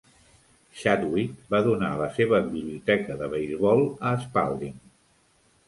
Chadwick va donar la seva biblioteca de beisbol a Spalding.